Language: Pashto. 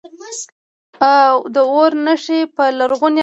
د اور نښې په لرغوني افغانستان کې ډیرې دي